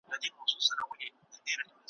ددې ټولنې اصل